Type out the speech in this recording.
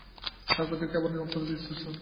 তাহার প্রত্যেকটি আবার অনন্ত বিস্তৃত।